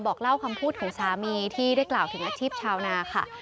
บอกเล่าคำพูดของสามีที่ได้กล่าวถึงอาชีพชาวนาค่ะ